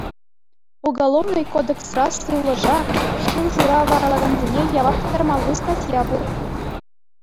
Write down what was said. Уголовнӑй кодексра сывлӑша, шыв-шура варалакансене явап тыттармалли статья пур.